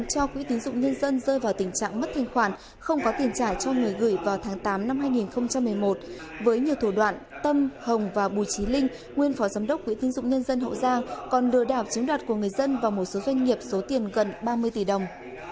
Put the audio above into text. các doanh nghiệp số tiền gần ba mươi tỷ đồng